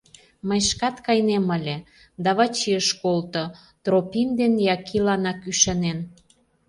Мый шкат кайынем ыле, да Вачи ыш колто, Тропим ден Якиланак ӱшанен.